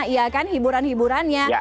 iya kan hiburan hiburannya